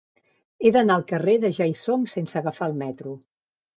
He d'anar al carrer de Ja-hi-som sense agafar el metro.